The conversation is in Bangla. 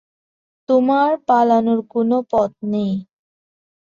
তোমার পালানোর কোন পথ নেই।